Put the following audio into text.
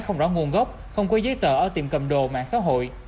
không rõ nguồn gốc không có giấy tờ ở tiệm cầm đồ mạng xã hội